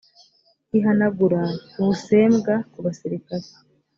ihanagura busembwa ku basirikare